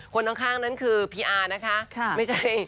คนข้างนั้นคือพี่อานะคะไม่ใช่